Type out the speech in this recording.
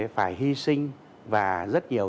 phải hy sinh và rất nhiều